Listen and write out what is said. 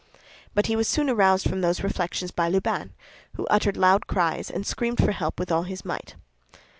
But he was soon aroused from these reflections by Lubin, who uttered loud cries and screamed for help with all his might.